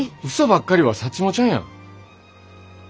うそばっかりはサッチモちゃんやん。